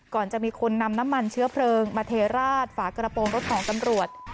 ก่อนจะมีคนนำน้ำมันเชื้อเพลิงมาเทราดฝากระโปรงรถของตำรวจ